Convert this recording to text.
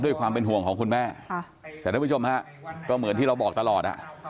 ด้วยความเป็นห่วงของคุณแม่แต่ท่านผู้ชมฮะก็เหมือนที่เราบอกตลอด